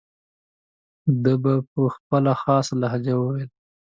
ده به په خپله خاصه لهجه وویل.